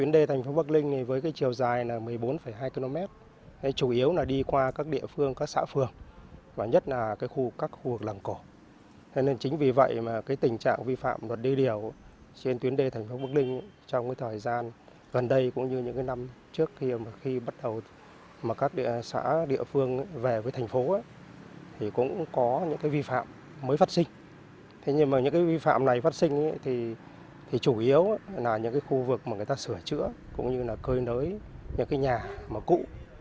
đê điều là những khu vực mà người ta sửa chữa cũng như là cơi lới những nhà cũ